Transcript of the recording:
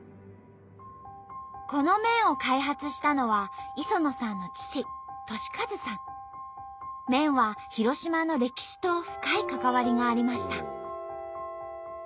この麺を開発したのは磯野さんの麺は広島の歴史と深い関わりがありました。